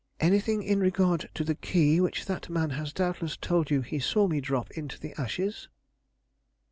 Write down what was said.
"Anything in regard to the key which that man has doubtless told you he saw me drop into the ashes?"